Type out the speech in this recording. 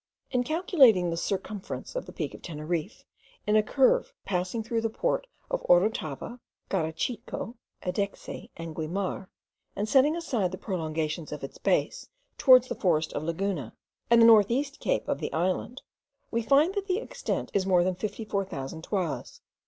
In calculating the circumference of the peak of Teneriffe in a curve passing through the port of Orotava, Garachico, Adexe, and Guimar, and setting aside the prolongations of its base towards the forest of Laguna, and the north east cape of the island, we find that this extent is more than 54,000 toises.